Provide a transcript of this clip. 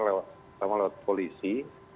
terutama lewat polisi